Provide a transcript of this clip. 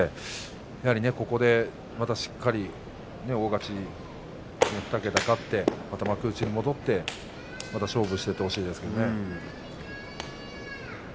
やはり、ここでしっかり大勝ちの２桁勝って幕内でまた勝負してほしいですけどね。